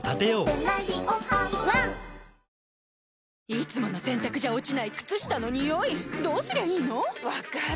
いつもの洗たくじゃ落ちない靴下のニオイどうすりゃいいの⁉分かる。